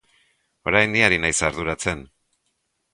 Orain ni ari naiz arduratzen.